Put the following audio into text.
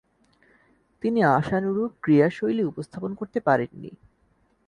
তিনি আশানুরূপ ক্রীড়াশৈলী উপস্থাপন করতে পারেননি।